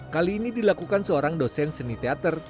kali ini dilakukan seorang dosen seni teater